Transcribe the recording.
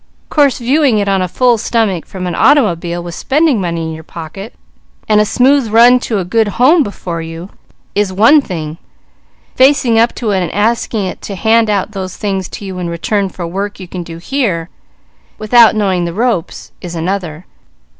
Course viewing it on a full stomach, from an automobile, with spending money in your pocket, and a smooth run to a good home before you, is one thing; facing up to it, and asking it to hand out those things to you in return for work you can do here, without knowing the ropes, is another.